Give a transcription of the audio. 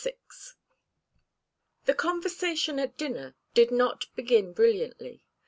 The conversation at dinner did not begin brilliantly.